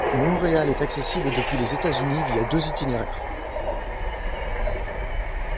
Montréal est accessible depuis les États-Unis via deux itinéraires.